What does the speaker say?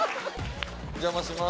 お邪魔します。